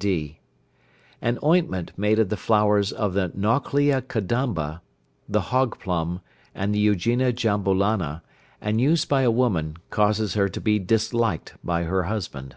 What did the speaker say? (d). An ointment made of the flowers of the nauclea cadamba, the hog plum, and the eugenia jambolana, and used by a woman, causes her to be disliked by her husband.